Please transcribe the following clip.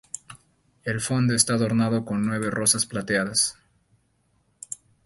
El fondo está adornado con nueve rosas plateadas.